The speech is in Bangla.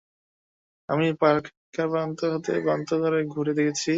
আমি পরিখার এ প্রান্ত হতে ও প্রান্ত ঘুরে ঘুরে দেখেছি।